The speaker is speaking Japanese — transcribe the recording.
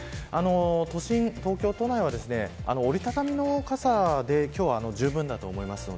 都心、東京都内は折り畳みの傘で今日はじゅうぶんだと思います。